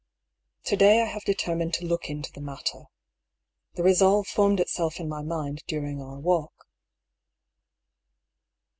To day I have determined to look into the matter. The resolve formed itself in my mind during our walk.